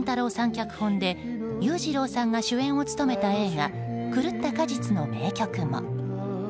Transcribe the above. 脚本で裕次郎さんが主演を務めた映画「狂った果実」の名曲も。